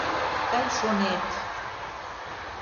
Тый шонет...